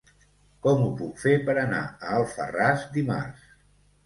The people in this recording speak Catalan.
Com ho puc fer per anar a Alfarràs dimarts?